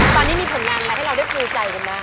ตอนนี้มีผลงานอะไรให้เราได้ภูมิใจกันบ้าง